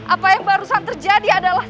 apa yang barusan terjadi adalah